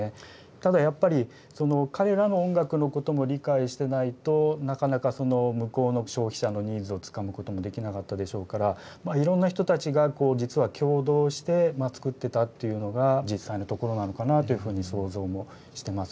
ただやっぱりその彼らの音楽のことも理解してないとなかなか向こうの消費者のニーズをつかむこともできなかったでしょうからいろんな人たちが実は共同して作ってたっていうのが実際のところなのかなというふうに想像もしてますね。